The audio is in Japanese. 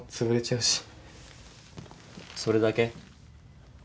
それだけ？